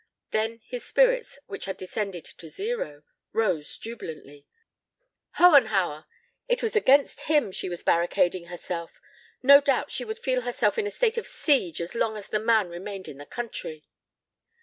Then his spirits, which had descended to zero, rose jubilantly. Hohenhauer! It was against him she was barricading herself. No doubt she would feel herself in a state of siege as long as the man remained in the country.